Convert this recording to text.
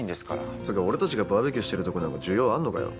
つぅか俺たちがバーベキューしてるとこなんか需要あんのかよ。